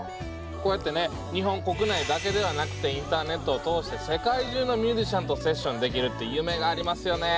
こうやってね日本国内だけではなくてインターネットを通して世界中のミュージシャンとセッションできるって夢がありますよね。